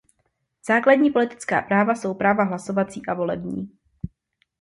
Základní politická práva jsou práva hlasovací a volební.